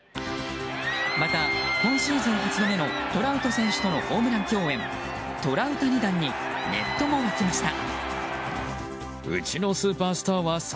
また、今シーズン８度目のトラウト選手とのホームラン共演トラウタニ弾にネットも沸きました。